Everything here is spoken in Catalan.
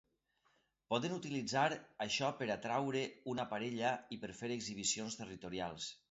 Poden utilitzar això per atraure una parella i per fer exhibicions territorials.